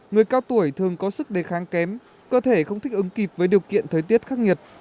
người cao tuổi thường có sức đề kháng kém cơ thể không thích ứng kịp với điều kiện thời tiết khắc nghiệt